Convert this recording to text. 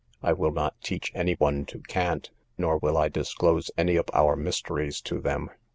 I will not teach any one to cant, nor will I disclose any of our mysteries to them.